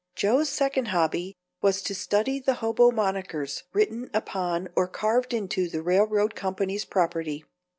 Joe's second hobby was to study the hobo monickers written upon or carved into the railroad company's property.